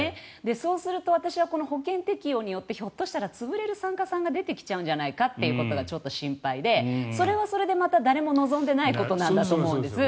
そうすると私は保険適用によってひょっとすると潰れちゃう産科が出てきちゃうんじゃないかというのが心配でそれはそれでまた誰も望んでいないことなんだと思うんです。